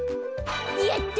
やった。